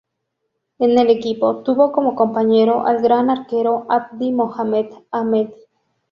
En el equipo, tuvo como compañero al gran arquero Abdi Mohamed Ahmed.